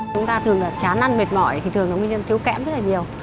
chúng ta thường là chán ăn mệt mỏi thì thường là nguyên nhân thiếu kẽm rất là nhiều